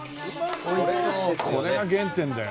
これが原点だよ。